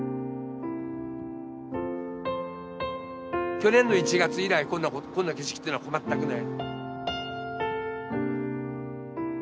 去年の１月以来こんな景色ってのは全くない。